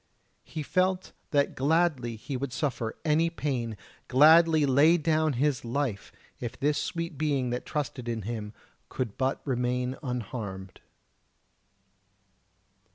He felt that gladly would he suffer any pain, gladly lay down his life, if this sweet being that trusted in him could but remain unharmed.